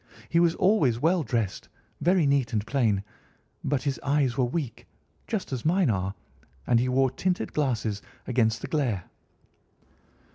He was always well dressed, very neat and plain, but his eyes were weak, just as mine are, and he wore tinted glasses against the glare."